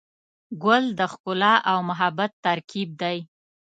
ګل د ښکلا او محبت ترکیب دی.